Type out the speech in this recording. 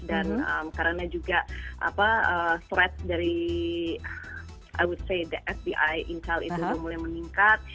dan karena juga threat dari i would say the fbi intel itu mulai meningkat